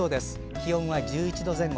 気温は１１度前後。